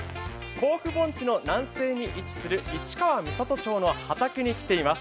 甲府盆地の南西に位置する市川三郷町の畑に来ています。